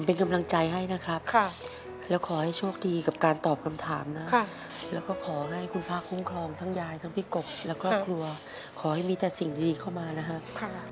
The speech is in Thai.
เป็นกำลังใจให้นะครับแล้วขอให้โชคดีกับการตอบคำถามนะแล้วก็ขอให้คุณพระคุ้มครองทั้งยายทั้งพี่กบและครอบครัวขอให้มีแต่สิ่งดีเข้ามานะครับ